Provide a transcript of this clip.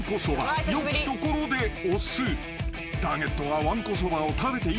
［ターゲットがわんこそばを食べていると］